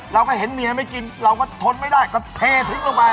เราก็เห็นเมียไม่กินเราก็ทนไม่ได้ก็เททิ้งลงไป